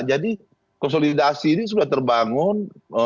jadi konsolidasi ini sudah terbangun